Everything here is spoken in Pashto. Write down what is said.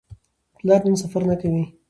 پلار نن سفر نه کوي.